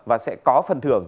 và sẽ có phần thưởng